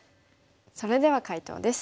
それでは解答です。